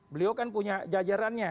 beliau kan punya jajarannya